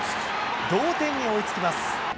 同点に追いつきます。